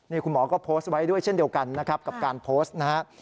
นี่คุณหมอก็โพสต์ไว้ด้วยเช่นเดียวกันนะครับกับการโพสต์นะครับ